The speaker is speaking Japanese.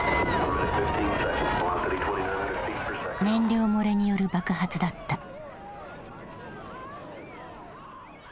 燃料漏れによる爆発だった。